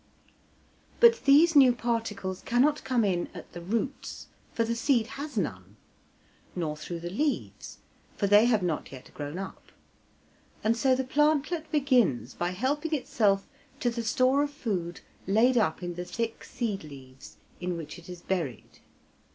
But these new particles cannot come in at the roots, for the seed has none; nor through the leaves, for they have not yet grown up; and so the plantlet begins by helping itself to the store of food laid up in the thick seed leaves in which it is buried.